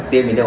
tiêm đến đâu